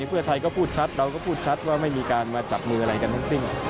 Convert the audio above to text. เพื่อไทยก็พูดชัดเราก็พูดชัดว่าไม่มีการมาจับมืออะไรกันทั้งสิ้น